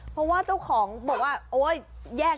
เพราะว่าเจ้าของบอกว่าโอ๊ยแยก